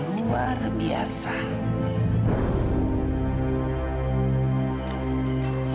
anda tersentuh tidak loe